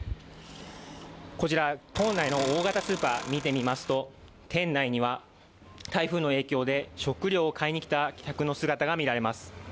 こちら、島内の大型スーパー見てみますと、店内には台風の影響で食料を買いに来た客の姿が見えます。